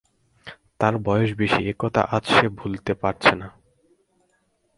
তার বয়স বেশি এ কথা আজ সে ভুলতে পারছে না।